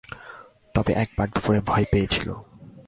তবে একবার দুপুরে ভয় পেয়েছিল।